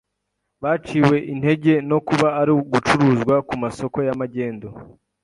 baciwe intege no "kuba uri gucuruzwa ku masoko ya magendu".